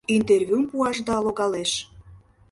Интервьюм пуашда логалеш.